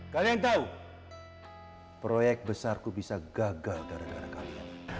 kalian tahu proyek besarku bisa gagal gara gara kalian